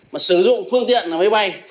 mà sử dụng phương tiện máy bay